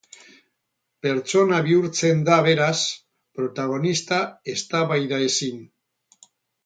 Pertsona bihurtzen da, beraz, protagonista eztabaidaezin.